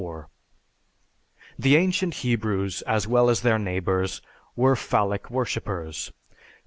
The ancient Hebrews, as well as their neighbors, were phallic worshipers.